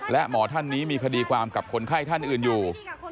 และหมอท่านนี้มีคดีความกับคนไข้ท่านอื่นอยู่